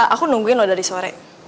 aku nungguin udah dari sore